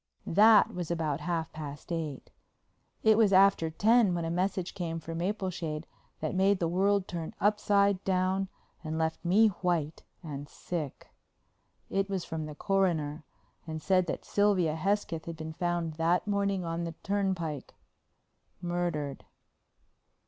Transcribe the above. That was about half past eight. It was after ten when a message came for Mapleshade that made the world turn upside down and left me white and sick. It was from the Coroner and said that Sylvia Hesketh had been found that morning on the turnpike, murdered.